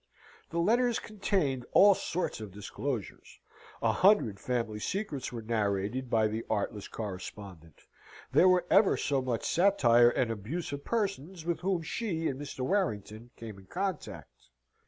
The letters contained all sorts of disclosures: a hundred family secrets were narrated by the artless correspondent: there were ever so much satire and abuse of persons with whom she and Mr. Warrington came in contact.